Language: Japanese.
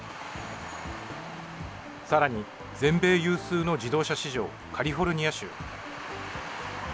さらに、全米有数の自動車市場、カリフォルニア州。